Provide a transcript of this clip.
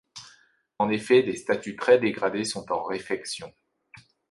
En effet, les statues très dégradées sont en réfection.